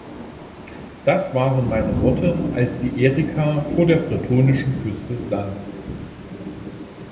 Das waren meine Worte, als die Erika vor der bretonischen Küste sank.